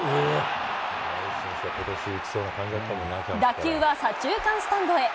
打球は左中間スタンドへ。